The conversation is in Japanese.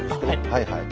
はいはい。